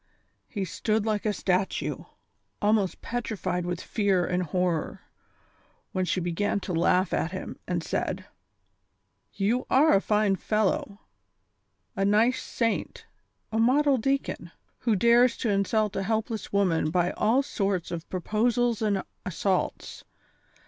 He stood like a statue, almost petrified with fear and horror, when she be gan to laugh at him, and said : "You are a fine fellow, a nice saint, a model deacon, who dares to insult a helpless woman by all sorts of pro posals and assaults.